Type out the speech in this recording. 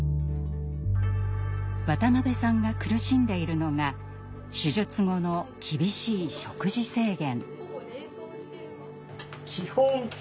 渡辺さんが苦しんでいるのが手術後の厳しい「食事制限」。